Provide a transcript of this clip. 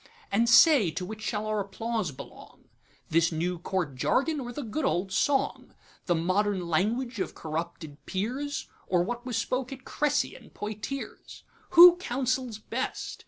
And say, to which shall our applause belong, This new Court jargon, or the good old song? The modern language of corrupted peers, Or what was spoke at Cressy and Poictiers? Who counsels best?